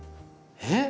えっ！